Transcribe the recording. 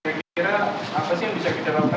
saya kira apa sih yang bisa kita lakukan